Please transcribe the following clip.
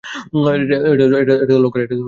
এটা তো লক করা।